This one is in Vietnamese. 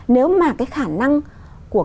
nếu mà cái khả năng của